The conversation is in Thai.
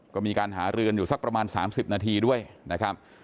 ก็มีการหารือกันอยู่สักประมาณ๓๐นาทีด้วยนะครับ